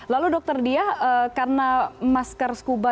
lalu dokter diah karena masker scuba dan buff ini hanya satu